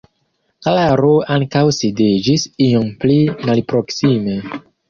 Klaro ankaŭ sidiĝis iom pli malproksime.